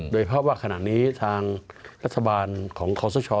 โดยเฉพาะว่าขนาดนี้ทางรัฐบาลของคอนเซอร์ชอร์